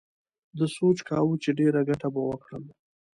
ده سوچ کاوه چې ډېره گټه به وکړم.